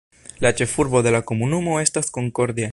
La ĉefurbo de la komunumo estas Concordia.